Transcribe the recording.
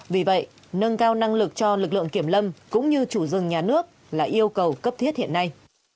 vì vậy nâng cao năng lực cho lực lượng kiểm lâm cũng như chủ rừng nhà nước là yêu cầu cấp thiết hiện nay